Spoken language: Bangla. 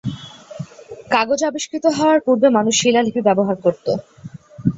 কাগজ আবিস্কৃত হওয়ার পূর্বে মানুষ শিলালিপি ব্যবহার করতো।